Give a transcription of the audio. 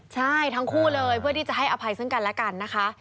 ใช่ทั้งคู่เลยเพื่อที่จะให้อภัยซึ่งกันและกันนะคะ